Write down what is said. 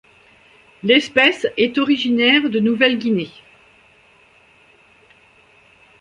L'espèce est originaire de Nouvelle-Guinée.